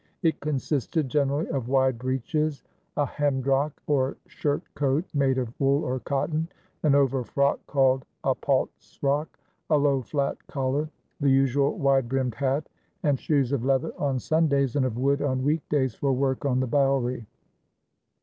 It consisted generally of wide breeches, a hemdrok or shirt coat made of wool or cotton, an overfrock called a paltsrok, a low flat collar, the usual wide brimmed hat, and shoes of leather on Sundays, and of wood on week days for work on the bouwerie.